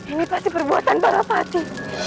ini pasti perbuatan para pati